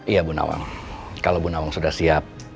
iya bunawang kalau bunawang sudah siap